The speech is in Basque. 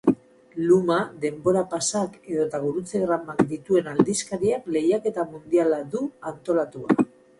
Luma, denbora pasak edota gurutzegramak dituen aldizkariak lehiaketa mundiala du antolatua.